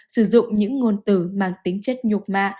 sử dụng những ngôn từ mang tính chất nhục ma